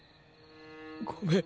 ごめん。